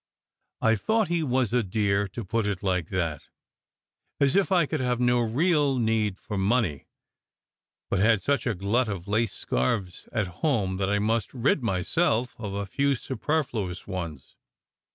" I thought he was a dear to put it like that, as if I could have no real need for money, but had such a glut of lace scarves at home that I must rid myself of a few superfluous ones.